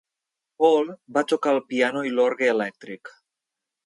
Cole va tocar el piano i l'orgue elèctric.